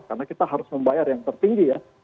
karena kita harus membayar yang tertinggi ya